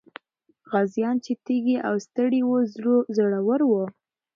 غازيان چې تږي او ستړي وو، زړور وو.